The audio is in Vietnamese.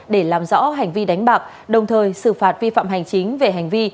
để làm rõ hành vi đánh bạc đồng thời xử phạt vi phạm hành chính về hành vi